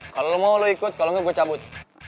kalau lo mau lo ikut kalau enggak gue cabut